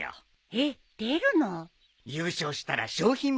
えっ出るの⁉優勝したら賞品もあるよ！